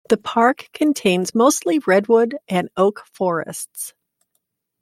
The park contains mostly redwood and oak forests.